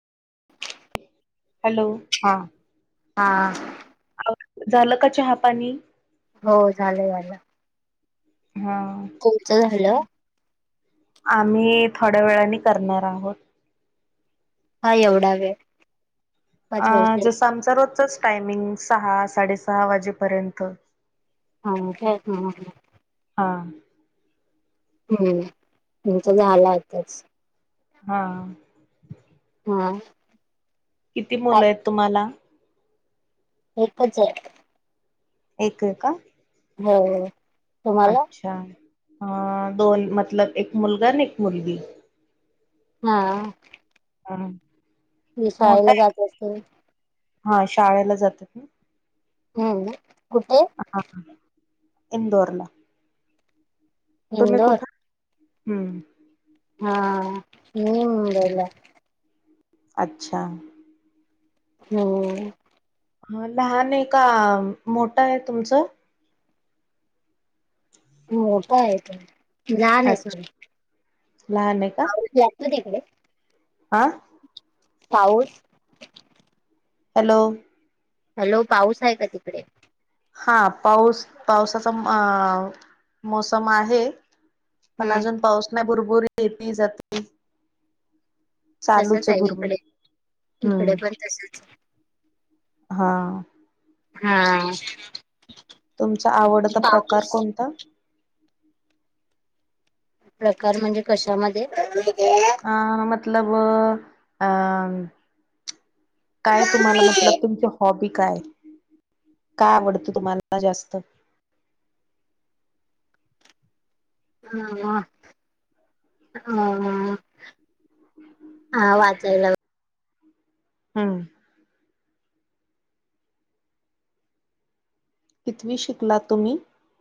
Hello हां. हा. अग झाल का चहा पाणी? हो झाल झाल. हा. तुमचं झालं? आम्ही थोड्या वेळाने करणार आहोत. का एवढा वेळ? अ पाच वाजले जसं आमचा रोजचाच टायमिंग सहा साडेसहा वाजेपर्यंत. हा तेच ना म्हटलं. हां. हम्म आमचा झाला आतच. हा. हां. किती मुलं आहेत तुम्हाला? एकच आहे. एक आहे का? झाले व- अच्छा अ दोन मतलब एक मुलगा आणि एक मुलगी. हा. हा. ती मोठा शाळेला आहे का? जात असेल- हा शाळेला जाते ती. हो ना कुठे? हा इंदोरला. तुम्ही इंदोर कुठ? हम्म. हा मी मुंबईला- अच्छा. हो. ह लहान आहे का मोठं आहे तुमचं? [inaudible] मोठा हाय ते, लहान आय अच्छा. सॉरी. लहान ए का? कि आत्तो [unintelligible] आं? पाऊस? हॅलो. हॅलो, पाऊस हाय का तिकडे? हा पाऊस पावसाचा मोसम आहे. पण हम्म अजून पाऊस नाय भुर भुर येती जाती. चालूच तसच ए आहे भूर भूर, इकडे हम्म इकडे पण तसच हा. हा. तुमच्या आवडता प्रकार पाऊस कोणता? प्रकार म्हणजे कशामध्ये? अं मतलब अं काय तुम्हाला मम्मी, मतलब तुमची हॉबी काय? काय आवडतं तुम्हाला जास्त? हा म हा. हा वाचायला हम्म. कितवी शिकला तुम्ही?